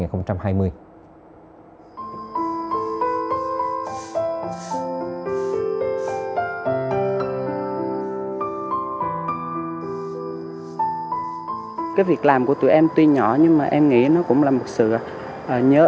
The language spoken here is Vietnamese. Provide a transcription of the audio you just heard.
cái việc làm của tụi em tuy nhỏ nhưng mà em nghĩ nó cũng là một sự nhớ